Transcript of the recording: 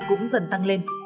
cũng dần tăng lên